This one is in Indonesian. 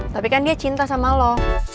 tapi kan dia cinta sama lo